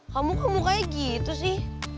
kamu kemukanya gitu sih